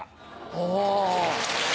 お！